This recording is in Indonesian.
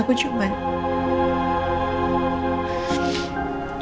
aku harus mencari